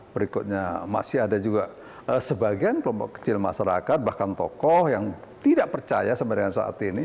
berikutnya masih ada juga sebagian kelompok kecil masyarakat bahkan tokoh yang tidak percaya sampai dengan saat ini